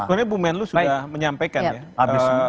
sebenarnya bumen lu sudah menyampaikan ya